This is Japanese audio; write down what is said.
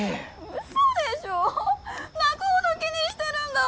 ウソでしょ泣くほど気にしてるんだ